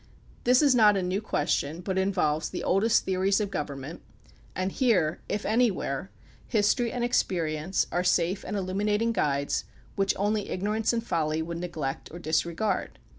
This is not a new ques tion, but involves the oldest theories of government. 30 THE PUBLIC OPINION BILL and here, if anywhere, history and experience are safe and illuminating guides which only ignorance and folly would neglect or disregard.